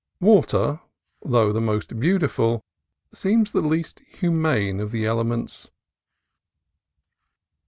Water, though the most beautiful, seems the least humane of the elements.